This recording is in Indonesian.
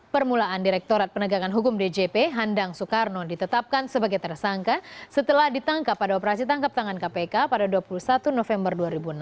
permulaan direktorat penegakan hukum djp handang soekarno ditetapkan sebagai tersangka setelah ditangkap pada operasi tangkap tangan kpk pada dua puluh satu november dua ribu enam belas